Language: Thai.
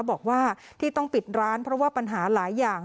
บอกว่าที่ต้องปิดร้านเพราะว่าปัญหาหลายอย่าง